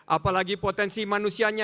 apalagi potensi manusianya dahsyat